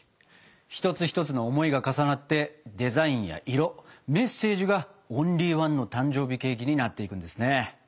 一つ一つの思いが重なってデザインや色メッセージがオンリーワンの誕生日ケーキになっていくんですね。